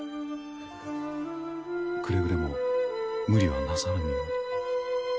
くれぐれも無理はなさらぬように。